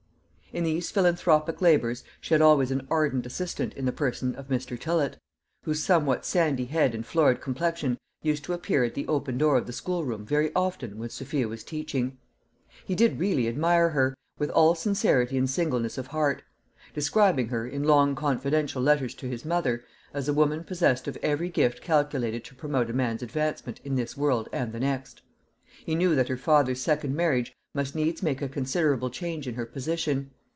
In these philanthropic labours she had always an ardent assistant in the person of Mr. Tillott, whose somewhat sandy head and florid complexion used to appear at the open door of the schoolroom very often when Sophia was teaching. He did really admire her, with all sincerity and singleness of heart; describing her, in long confidential letters to his mother, as a woman possessed of every gift calculated to promote a man's advancement in this world and the next. He knew that her father's second marriage must needs make a considerable change in her position.